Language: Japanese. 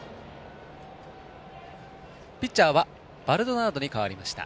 ピッチャーはバルドナードに代わりました。